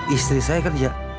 istri saya kerja